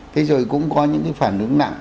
thế rồi cũng có những cái phản ứng nặng